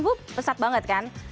hup pesat banget kan